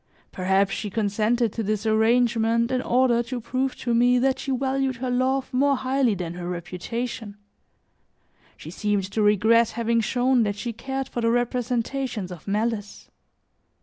Perhaps she consented to this arrangement in order to prove to me that she valued her love more highly than her reputation; she seemed to regret having shown that she cared for the representations of malice.